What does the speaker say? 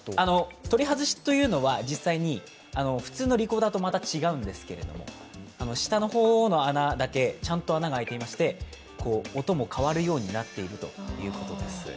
取り外しというのは普通のリコーダーと違うんですけど下の方の穴だけ、ちゃんと穴が開いていまして音も変わるようになっているということです。